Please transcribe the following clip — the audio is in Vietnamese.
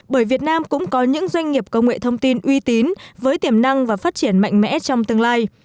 bởi việt nam cũng có những doanh nghiệp công nghệ thông tin uy tín với tiềm năng và phát triển mạnh mẽ trong tương lai